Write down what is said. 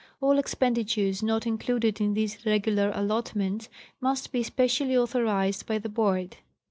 All expenditures not included in these regular allotments must be specially authorized by the Board.